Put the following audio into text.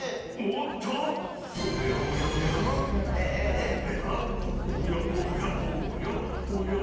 おやおや